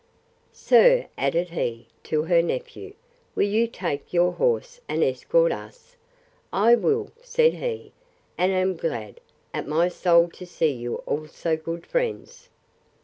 Sir, added he, to her nephew, will you take your horse and escort us? I will, said he: and am glad, at my soul, to see you all so good friends.